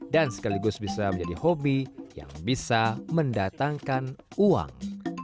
dan sekaligus bisa menjadi hobi yang bisa mendatangkan uang